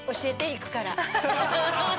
行くから。